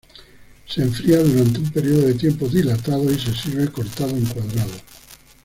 Se enfría durante un periodo de tiempo dilatado y se sirve cortado en cuadrados.